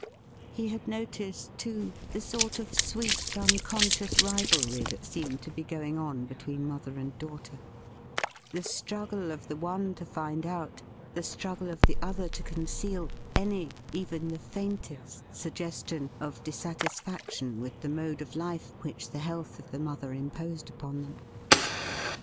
He had noticed, too, the sort of sweet unconscious rivalry that seemed to be going on between mother and daughter ; the struggle of the one to find out, the struggle of the other to conceal, any, even the faintest, suggestion of dis satisfaction with the mode of life which the health of the mother imposed upon them.